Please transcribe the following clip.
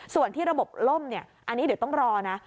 ส่วนที่ระบบล่มอันนี้เดี๋ยวต้องรอนะ